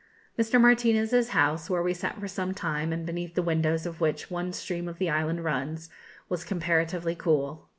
Mr. Martinez's house, where we sat for some time, and beneath the windows of which the one stream of the island runs, was comparatively cool.